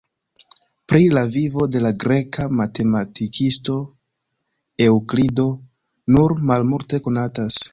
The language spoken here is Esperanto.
Pri la vivo de la greka matematikisto Eŭklido nur malmulte konatas.